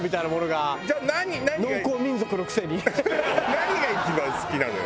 何が一番好きなのよ？